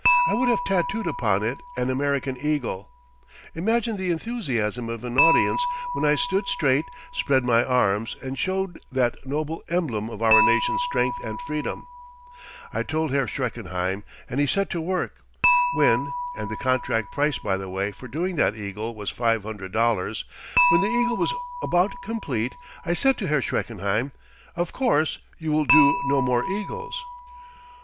I would have tattooed upon it an American eagle. Imagine the enthusiasm of an audience when I stood straight, spread my arms and showed that noble emblem of our nation's strength and freedom! I told Herr Schreckenheim and he set to work. When and the contract price, by the way, for doing that eagle was five hundred dollars when the eagle was about completed, I said to Herr Schreckenheim, 'Of course you will do no more eagles?'